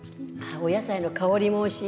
お野菜の香りもおいしい。